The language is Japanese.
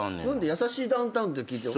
優しいダウンタウンって聞いてる。